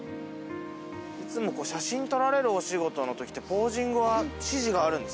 いつも写真撮られるお仕事のときってポージングは指示があるんですか？